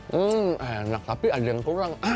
hmm enak tapi ada yang kurang